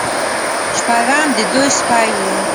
شپږم د دوی سپی و.